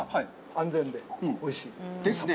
安全でおいしい。ですね。